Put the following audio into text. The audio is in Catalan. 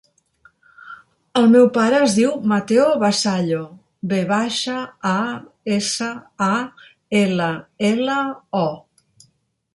El meu pare es diu Mateo Vasallo: ve baixa, a, essa, a, ela, ela, o.